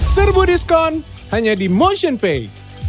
serbu diskon hanya di motionpay